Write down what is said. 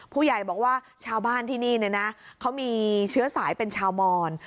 ผู้ใหญ่บอกว่าชาวบ้านที่นี่เนี่ยนะเขามีเชื้อสายเป็นชาวมอน